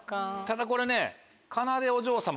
ただこれね。